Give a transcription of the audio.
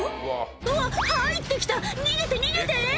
うわ入ってきた逃げて逃げて！